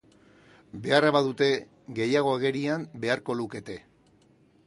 Beharra badute, gehiago agerian beharko lukete!